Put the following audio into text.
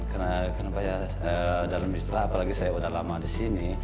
karena dalam istilah apalagi saya sudah lama di sini